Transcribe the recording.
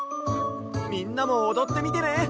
みんなもおどってみてね。